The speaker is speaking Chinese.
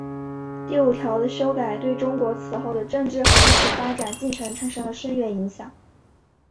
第五条的修改对中国此后的政治和历史发展进程产生了深远影响。